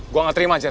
gue gak terima ajar